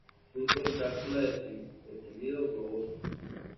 Fruto en cápsula, deprimido o globoso.